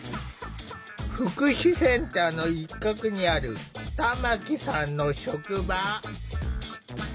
福祉センターの一角にある玉木さんの職場。